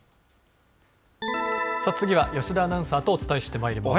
さあ、次は吉田アナウンサーとお伝えしてまいります。